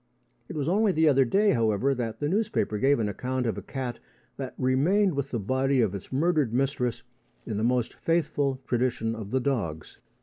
It was only the other day, however, that the newspapers gave an account of a cat that remained with the body of its murdered mistress in the most faithful tradition of the dogs.